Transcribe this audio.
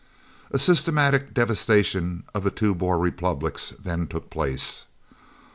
A systematic devastation of the two Boer Republics then took place.